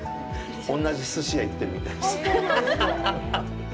同じすし屋行ってるみたいです。